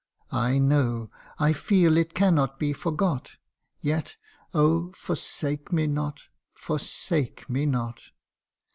I know I feel it cannot be forgot, Yet, oh ! forsake me not forsake me not